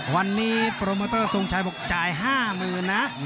วันนี้โปรโมเตอร์ทรงชัยบอกจ่าย๕๐๐๐นะ